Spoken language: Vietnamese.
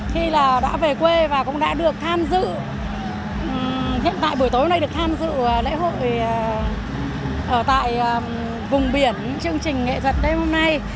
khi là đã về quê và cũng đã được tham dự hiện tại buổi tối hôm nay được tham dự lễ hội ở tại vùng biển chương trình nghệ thuật đêm hôm nay